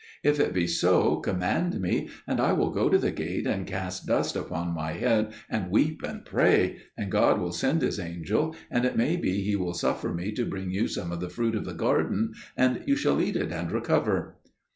If it be so, command me, and I will go to the gate, and cast dust upon my head, and weep and pray; and God will send His angel, and it may be He will suffer me to bring you some of the fruit of the garden, and you shall eat it and recover."